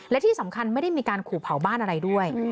และที่สำคัญไม่ได้มีการขู่เผาบ้านอะไรด้วย